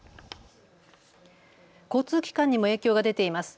交通機関にも影響が出ています。